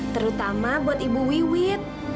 terutama buat ibu wiwit